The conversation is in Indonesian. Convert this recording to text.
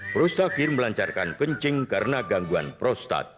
prostakir melancarkan kencing karena gangguan prostat